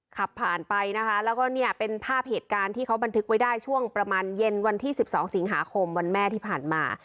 ขับผ่านไปนะคะแล้วก็เนี่ยเป็นภาพเหตุการณ์ที่เขาบันทึกไว้ได้ช่วงประมาณเย็นวันที่๑๒สิงหาคมวันแม่ที่ผ่านมา